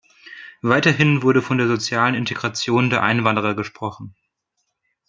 Weiterhin wurde von der sozialen Integration der Einwanderer gesprochen.